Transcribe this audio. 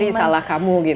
jadi salah kamu gitu